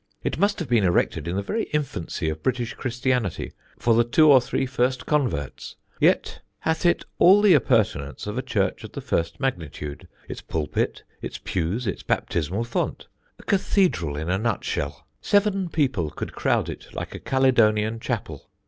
It must have been erected in the very infancy of British Christianity, for the two or three first converts; yet hath it all the appertances of a church of the first magnitude, its pulpit, its pews, its baptismal font; a cathedral in a nutshell. Seven people would crowd it like a Caledonian Chapel.